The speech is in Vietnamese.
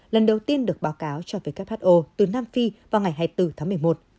lần đầu tiên được báo cáo cho who từ nam phi vào ngày hai mươi bốn tháng một mươi một